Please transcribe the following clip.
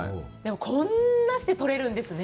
こんなして取れるんですね！